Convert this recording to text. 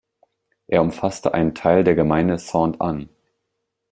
Er umfasste einen Teil der Gemeinde Sainte-Anne.